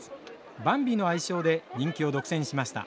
バンビの愛称で人気を独占しました。